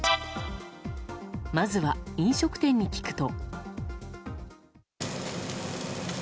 まずは飲食店に聞くと。